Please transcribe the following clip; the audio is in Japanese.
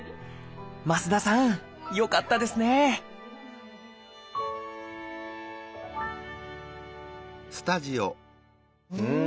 増田さんよかったですねうん！